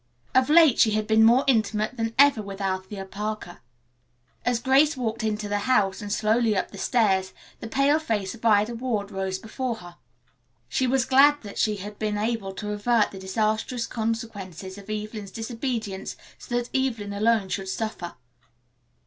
Of late she had been more intimate than ever with Althea Parker. As Grace walked into the house and slowly up the stairs the pale face of Ida Ward rose before her. She was glad that she had been able to avert the disastrous consequences of Evelyn's disobedience so that Evelyn alone should suffer.